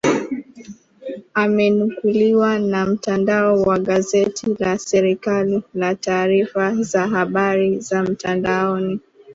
amenukuliwa na mtandao wa gazeti la serikali la taarifa za habari za mtandaoni